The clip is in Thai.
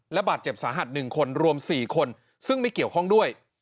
บาดเจ็บสาหัส๑คนรวม๔คนซึ่งไม่เกี่ยวข้องด้วย